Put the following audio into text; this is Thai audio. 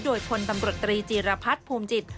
โดยพลตำรวจตรีจีรพัฒน์ภูมิจิต